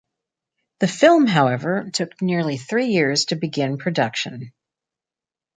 The film, however, took nearly three years to begin production.